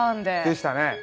でしたね。